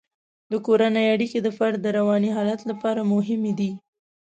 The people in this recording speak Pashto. د کورنۍ اړیکې د فرد د رواني حالت لپاره مهمې دي.